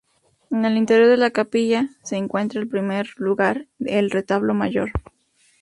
En el interior de la capilla, se encuentra en primer lugar el retablo mayor.